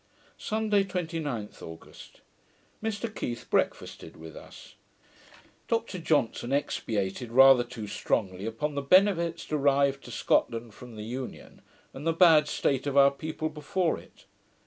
Sunday, 29th August Mr Keith breakfasted with us. Dr Johnson expatiated rather too strongly upon the benefits derived to Scotland from the Union, and the bad state of our people before it.